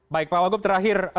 baik pak wagub terakhir